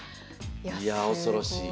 いやあ恐ろしい。